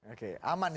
oke aman ya